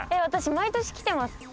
私毎年来てます。